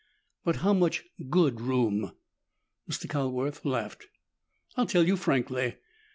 "But how much good room?" Mr. Calworth laughed. "I'll tell you frankly.